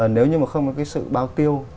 nếu như mà không có cái sự bao tiêu